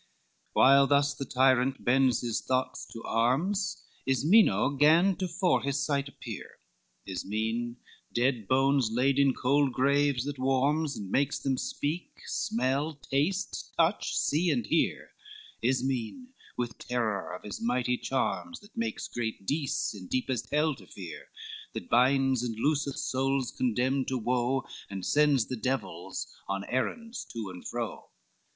I While thus the tyrant bends his thoughts to arms, Ismeno gan tofore his sight appear, Ismen dead bones laid in cold graves that warms And makes them speak, smell, taste, touch, see, and hear; Ismen with terror of his mighty charms, That makes great Dis in deepest Hell to fear, That binds and looses souls condemned to woe, And sends the devils on errands to and fro.